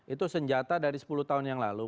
itu senjata dari sepuluh tahun yang lalu